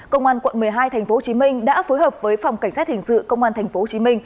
công an quận một mươi hai tp hcm đã phối hợp với phòng cảnh sát hình sự công an tp hcm